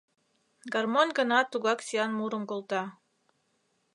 Гармонь гына тугак сӱан мурым колта.